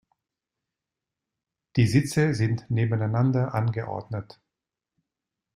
Die Sitze sind nebeneinander angeordnet.